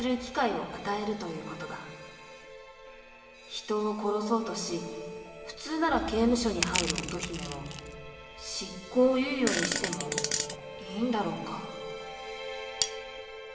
人を殺そうとし普通なら刑務所に入る乙姫を執行猶予にしてもいいんだろうか？